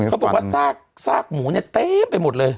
เขาบอกว่าซากหมูเนี่ยเต็มไปหมดเลย